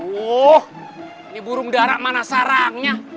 wah ini burung darah mana sarangnya